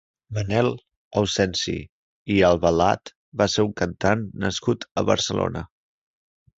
Manuel Ausensi i Albalat va ser un cantant nascut a Barcelona.